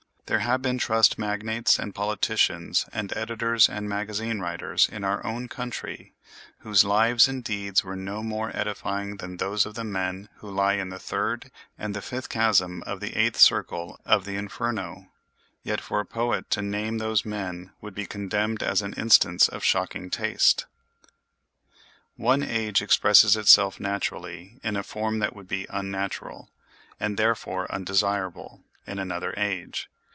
There have been trust magnates and politicians and editors and magazine writers in our own country whose lives and deeds were no more edifying than those of the men who lie in the third and the fifth chasm of the eighth circle of the Inferno; yet for a poet to name those men would be condemned as an instance of shocking taste. One age expresses itself naturally in a form that would be unnatural, and therefore undesirable, in another age.